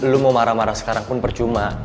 lu mau marah marah sekarang pun percuma